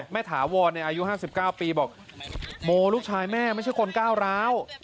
ถาวรอายุ๕๙ปีบอกโมลูกชายแม่ไม่ใช่คนก้าวร้าว